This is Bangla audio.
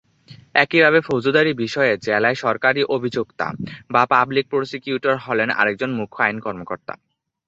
একইভাবে ফৌজদারি বিষয়ে জেলায় সরকারি অভিযোক্তা বা পাবলিক প্রসিকিউটর হলেন আরেকজন মুখ্য আইন কর্মকর্তা।